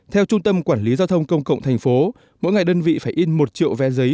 theo trung tâm quản lý giao thông công cộng thành phố mỗi ngày đơn vị phải in một triệu vé giấy